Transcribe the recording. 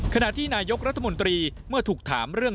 ขณะที่นายกรัฐมนตรีเมื่อถูกถามเรื่อง